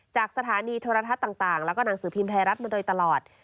จากสถานีโทรทัศน์ต่างแล้วก็หนังสือพิมพ์ไทยรัฐมาโดยตลอด